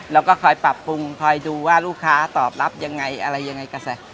แล้วก็คอยปรับปรุงคอยดูว่าลูกค้าตอบรับยังไงอะไรยังไงกระแส